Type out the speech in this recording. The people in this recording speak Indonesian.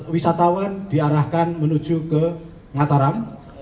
wisatawan diarahkan menuju ke mataram